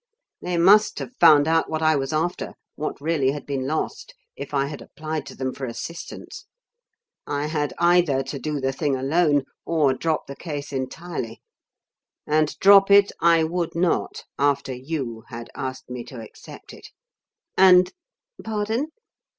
They must have found out what I was after, what really had been lost, if I had applied to them for assistance. I had either to do the thing alone or drop the case entirely. And drop it I would not after you had asked me to accept it, and Pardon?